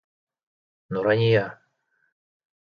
Нурания.